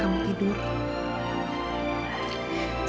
beautiful anak ini